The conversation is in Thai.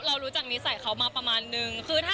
เรารู้จักนิสัยเขามาประมาณนึง